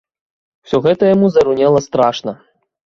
Усё гэта яму зарунела страшна.